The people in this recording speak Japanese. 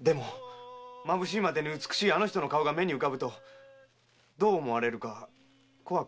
でもまぶしいまでに美しいあの人の顔が目に浮かぶとどう思われるか怖くなって。